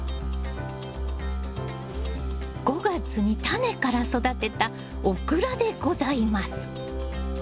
５月にタネから育てたオクラでございます。